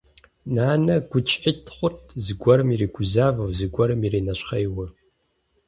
Нанэ гуитӀщхьитӀ хъурт, зыгуэрым иригузавэу, зыгуэрым иринэщхъейуэ.